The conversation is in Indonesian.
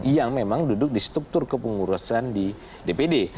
yang memang duduk di struktur kepengurusan di dpd